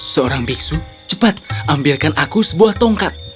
seorang biksu cepat ambilkan aku sebuah tongkat